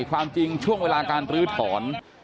ความจริงช่วงเวลาการลื้อถอน